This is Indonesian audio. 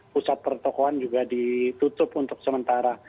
pusat pertokohan juga ditutup untuk sementara